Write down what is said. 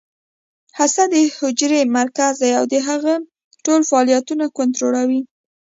هسته د حجرې مرکز دی او د هغې ټول فعالیتونه کنټرولوي